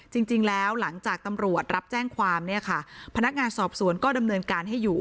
จริงแล้วหลังจากตำรวจรับแจ้งความเนี่ยค่ะพนักงานสอบสวนก็ดำเนินการให้อยู่